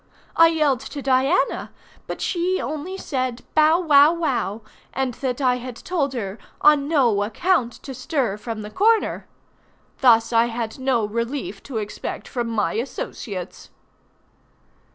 I yelled to Diana; but she only said "bow wow wow," and that I had told her "on no account to stir from the corner." Thus I had no relief to expect from my associates.